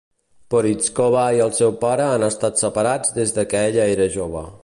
Porizkova i el seu pare han estat separats des que ella era jove.